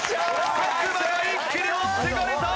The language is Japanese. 作間が一気に持っていかれた。